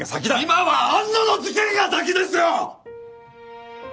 今は安野の事件が先ですよ！